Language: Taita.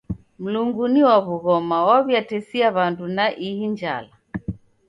Mlungu ni wa w'ughoma waw'iatesia w'andu na ihi njala.